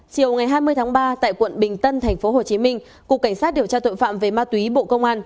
chiều ngày hai mươi tháng ba tại quận bình tân tp hcm cục cảnh sát điều tra tội phạm về ma túy bộ công an